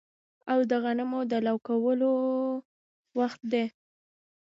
او د غنمو د لو کولو وخت دی